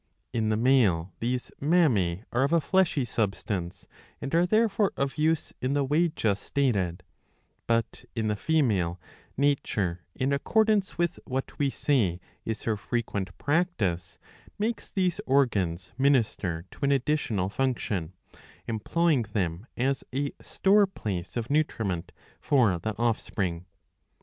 In the male these mammae are of a fleshy substance and are therefore of use in the way just stated ; but, in the female, nature, in accordance ^^ with what we say is her frequent practice, makes these organs minister to an additional function, employing them as a store place of nutriment for the offspring.